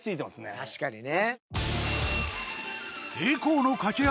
確かにね。